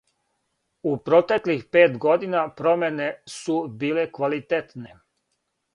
У протеклих пет година, промене су биле квалитетне.